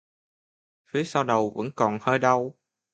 Phía sau đầu vẫn còn hơi đau